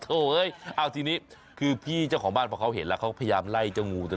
โถ่เอ้ยทีนี้คือพี่เจ้าของบ้านเขาเห็นแล้วเค้าพยายามไล่เจ้างูนี้